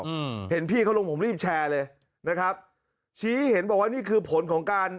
อืมเห็นพี่เขาลงผมรีบแชร์เลยนะครับชี้เห็นบอกว่านี่คือผลของการ